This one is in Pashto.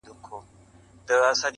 راسه دوې سترگي مي دواړي درله دركړم!!